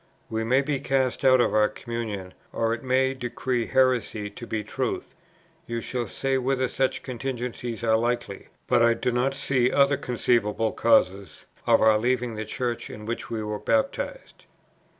We may be cast out of our communion, or it may decree heresy to be truth, you shall say whether such contingencies are likely; but I do not see other conceivable causes of our leaving the Church in which we were baptized.